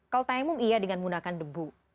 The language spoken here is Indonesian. kalau tayamu iya dengan menggunakan debu